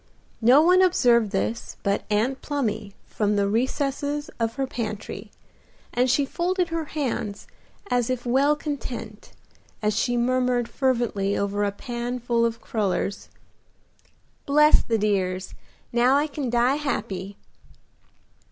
No one observed this but Aunt Plumy from the recesses of her pantry, and she folded her hands as if well content, as she murmured fervently over a pan full of crullers, "Bless the dears! Now I can die happy."